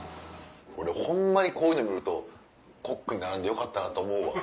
俺ホンマにこういうの見るとコックにならんでよかったなと思うわ。